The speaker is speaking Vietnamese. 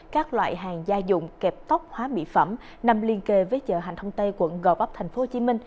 các loại hàng gia dụng kẹp tóc hóa mỹ phẩm nằm liên kề với chợ hành thông tây quận gò vấp tp hcm